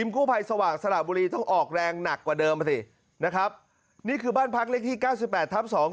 กู้ภัยไปถึงมันกำลังจะยืดตัวมาเริ่มขึ้นชั้นสอง